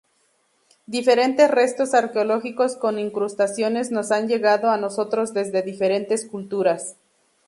Diferentes restos arqueológicos con incrustaciones nos han llegado a nosotros desde diferentes culturas.